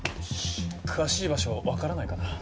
詳しい場所分からないかな？